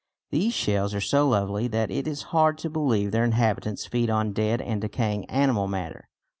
These shells are so lovely that it is hard to believe their inhabitants feed on dead and decaying animal matter.